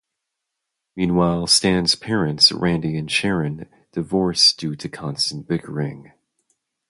Meanwhile, Stan's parents, Randy and Sharon, divorce due to constant bickering.